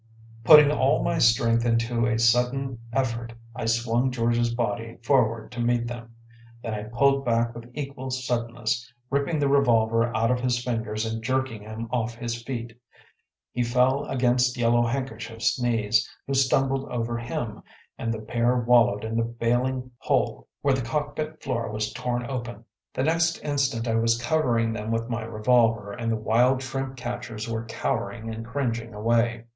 Putting all my strength into a sudden effort, I swung George’s body forward to meet them. Then I pulled back with equal suddenness, ripping the revolver out of his fingers and jerking him off his feet. He fell against Yellow Handkerchief’s knees, who stumbled over him, and the pair wallowed in the bailing hole where the cockpit floor was torn open. The next instant I was covering them with my revolver, and the wild shrimp catchers were cowering and cringing away.